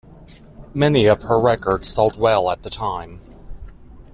Many of her records sold well at the time.